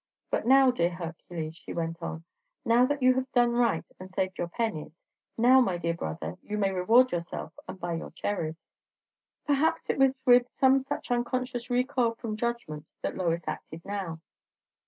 "But now, dear Hercules," she went on, "now that you have done right and saved your pennies, now, my dear brother, you may reward yourself and buy your cherries!" Perhaps it was with some such unconscious recoil from judgment that Lois acted now.